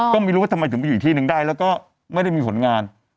ก็ไม่รู้ว่าทำไมถึงไปอยู่ที่นึงได้แล้วก็ไม่ได้มีผลงาน